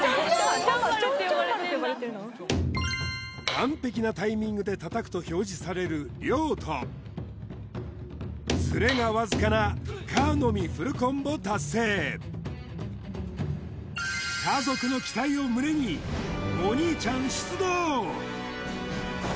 完璧なタイミングで叩くと表示される「良」とズレがわずかな「可」のみフルコンボ達成家族の期待を胸にお兄ちゃん出動！